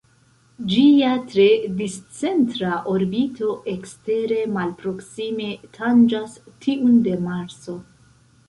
Ĝia tre discentra orbito ekstere malproksime tanĝas tiun de Marso.